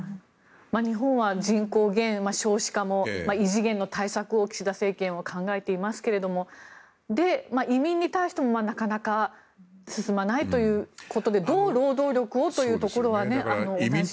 日本は人口減、少子化も異次元の対策を岸田政権は考えていますが移民に対してもなかなか進まないということでどう労働力をというところはありますが。